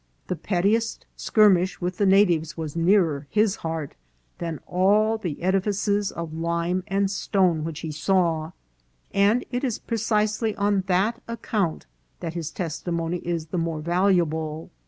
The pettiest skirmish with the natives was nearer his heart than all the edifices of lime and stone which he saw, and it is precisely on that account that his testimony is the more valuable.